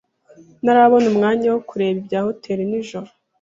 Ntarabona umwanya wo kureba ibya hoteri nijoro.